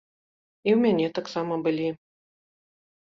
І ў мяне таксама былі.